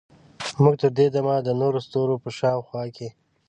موږ تر دې دمه د نورو ستورو په شاوخوا کې